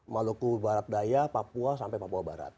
maluku barat daya papua sampai papua barat